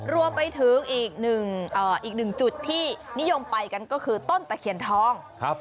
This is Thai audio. รวมไปถึงอีกหนึ่งจุดที่นิยมไปกันก็คือต้นตะเคียนทอง